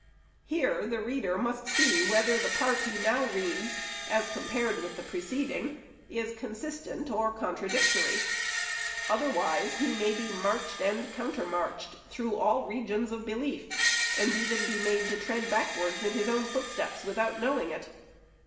Here the reader must see whether the part he now reads, as compared with the preceding, is consistent or contradic tory. Otherwise he may be marched and counter marched through all regions of belief, and even be made to tread backwards in his own footsteps without knowing it.